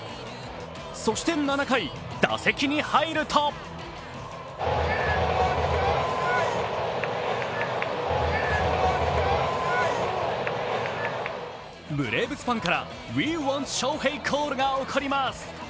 そして７回、打席に入るとブレーブスファンからＷｅｗａｎｔＳｈｏｈｅｉコールが起こります。